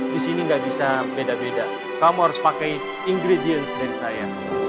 di sini nggak bisa beda beda kamu harus pakai ingredients dari saya